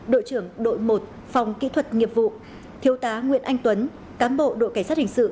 đội trưởng đội một phòng kỹ thuật nghiệp vụ thiêu tá nguyễn anh tuấn cám bộ đội cảnh sát hình sự